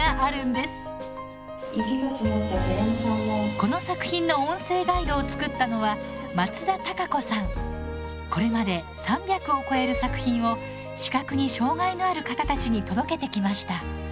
この作品の音声ガイドを作ったのはこれまで３００を超える作品を視覚に障がいのある方たちに届けてきました。